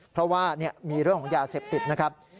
เพราะว่ามีเรื่องของยาเสพติดนะครับ